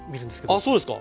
あっそうですか。